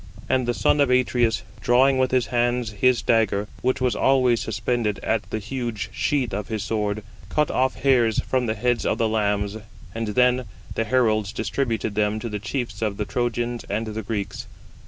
And the son of Atreus, drawing with his hands his dagger, which was always suspended at the huge sheath of his sword, cut off hairs from the heads of the lambs: and then the heralds distributed them to the chiefs of the Trojans and the Greeks.